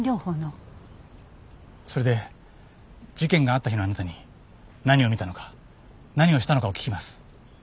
それで事件があった日のあなたに何を見たのか何をしたのかを聞きます。